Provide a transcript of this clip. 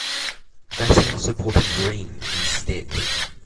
Batten supported Braine instead.